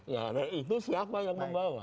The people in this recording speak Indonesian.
ya dan itu siapa yang membawa